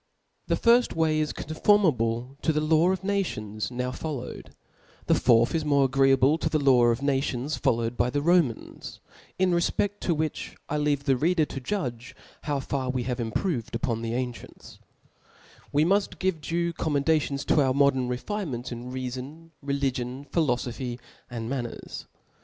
The ^rft way is conformable to the }aw of na^ tions nowfollpwed i tl^e fourth is more agreeable tp the law oJF nations followed by the Romans ; in fefped to which I leave the reader to judge how far Ive have improved uppn the ancients^ We mull give due commendation^ to our modern refinements in reafon, religion, phlloibphy, a|i4 manners.